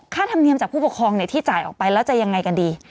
ธรรมเนียมจากผู้ปกครองที่จ่ายออกไปแล้วจะยังไงกันดี